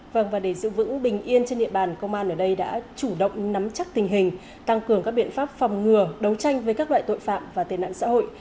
và để giữ vững bình yên trên địa bàn công an ở đây đã chủ động nắm chắc tình hình tăng cường các biện pháp phòng ngừa đấu tranh với các loại tội phạm và tên nạn xã hội